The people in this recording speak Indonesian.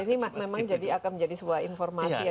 ini memang akan menjadi sebuah informasi ya